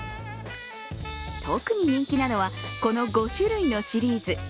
特に人気なのは、この５種類のシリーズ。